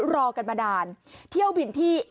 รอกันมานานเที่ยวบินที่